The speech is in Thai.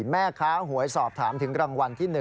แม่ค้าหวยสอบถามถึงรางวัลที่๑